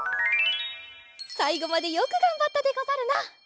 さいごまでよくがんばったでござるな。